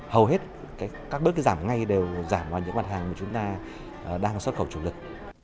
hầu hết các bước giảm ngay đều giảm vào những mặt hàng mà chúng ta đang xuất khẩu chủ lực